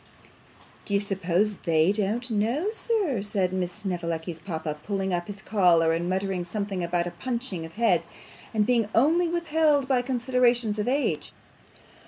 'Do you suppose THEY don't know, sir?' said Miss Snevellicci's papa, pulling up his collar, and muttering something about a punching of heads, and being only withheld by considerations of age.